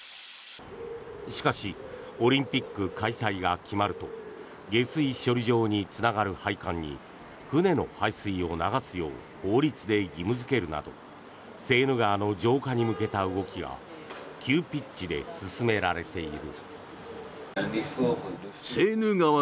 しかしオリンピック開催が決まると下水処理場につながる配管に船の排水を流すよう法律で義務付けるなどセーヌ川の浄化に向けた動きが急ピッチで進められている。